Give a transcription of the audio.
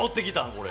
これ？